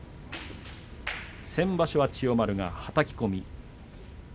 先場所は千代丸が、はたき込み。